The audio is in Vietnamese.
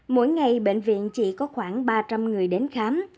mỗi ngày bệnh viện chỉ có khoảng ba trăm linh người đến khám